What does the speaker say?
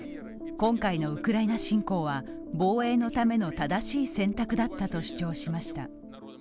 今回のウクライナ侵攻は、防衛のための正しい選択だったと主張しました。